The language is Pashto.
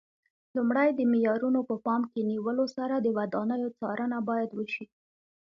لومړی د معیارونو په پام کې نیولو سره د ودانیو څارنه باید وشي.